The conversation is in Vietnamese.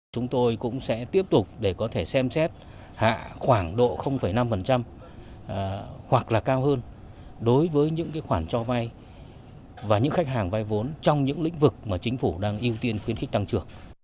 chúng tôi cũng sẽ tiếp tục để có thể xem xét hạ khoảng độ năm hoặc là cao hơn đối với những khoản cho vay và những khách hàng vay vốn trong những lĩnh vực mà chính phủ đang ưu tiên khuyến khích tăng trưởng